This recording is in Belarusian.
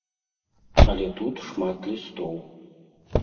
Але тут шмат лістоў.